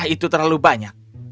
itu terlalu banyak